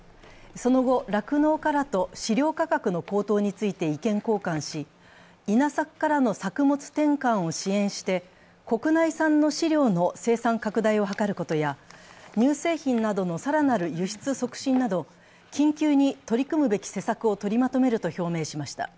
その後、酪農家らと飼料価格の高騰について意見交換し稲作からの作物転換を支援して国内産の飼料の生産拡大を図ることや乳製品などの更なる輸出促進など緊急に取り組むべき施策を取りまとめると表明しました。